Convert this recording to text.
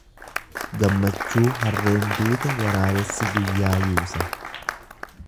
Gammachuu harreen duute waraabessi guyyaa yuusa.